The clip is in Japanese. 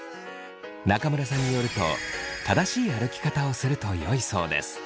中村さんによると正しい歩き方をするとよいそうです。